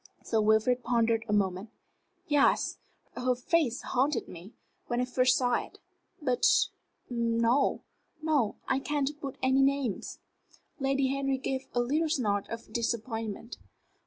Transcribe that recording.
Sir Wilfrid pondered a moment. "Yes. Her face haunted me, when I first saw it. But no; no, I can't put any names." Lady Henry gave a little snort of disappointment.